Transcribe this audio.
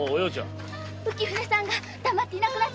浮舟さんが黙っていなくなっちゃったの。